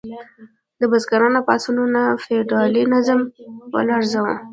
د بزګرانو پاڅونونو فیوډالي نظام ولړزاوه.